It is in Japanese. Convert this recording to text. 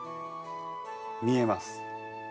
見えます。